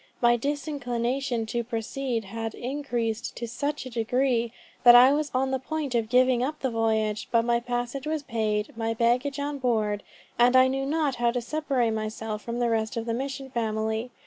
My disinclination to proceed had increased to such a degree that I was on the point of giving up the voyage; but my passage was paid, my baggage on board, and I knew not how to separate myself from the rest of the mission family.